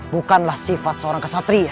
bukanlah sifat seorang kesatria